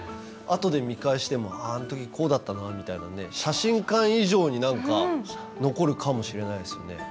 あとで見返しても「あああのときこうだったな」みたいなね写真館以上になんか残るかもしれないですよね。